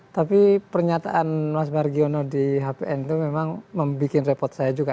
tapi pernyataan mas margiono di hpn itu memang membuat repot saya juga